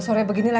gue aja yang bawa